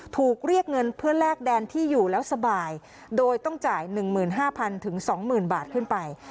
ถูกเรียกเงินเพื่อแลกแดนที่อยู่แล้วสบายโดยต้องจ่ายหนึ่งหมื่นห้าพันถึงสองหมื่นบาทขึ้นไป